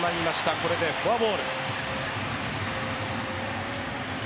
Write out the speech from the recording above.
これでフォアボール。